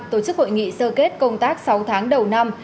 tổ chức hội nghị sơ kết công tác sáu tháng đầu năm